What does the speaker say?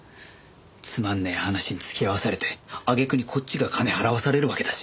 つまんねえ話に付き合わされて揚げ句にこっちが金払わされるわけだし。